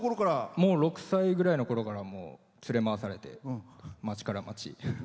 もう、６歳ぐらいのころから連れ回されて町から町へ。